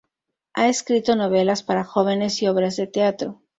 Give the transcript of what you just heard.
Ha escrito novelas para jóvenes y obras de teatro.